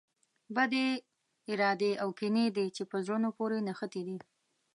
بدې ارادې او کینې دي چې په زړونو پورې نښتي دي.